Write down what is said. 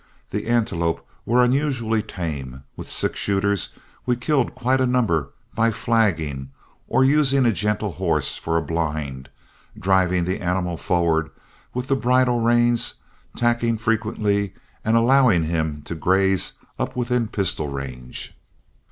The antelope were unusually tame; with six shooters we killed quite a number by flagging, or using a gentle horse for a blind, driving the animal forward with the bridle reins, tacking frequently, and allowing him to graze up within pistol range.